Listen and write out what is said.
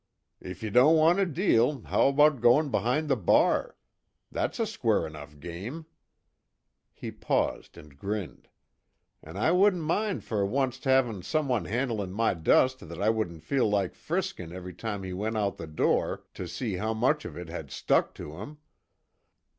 If you don't want to deal, how about goin' behind the bar? That's a square enough game." He paused and grinned. "An' I wouldn't mind fer onct havin' someone handlin' my dust that I wouldn't feel like friskin' every time he went out the door to see how much of it had stuck to him."